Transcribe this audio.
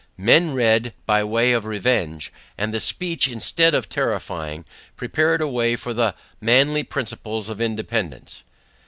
Men read by way of revenge. And the Speech instead of terrifying, prepared a way for the manly principles of Independance.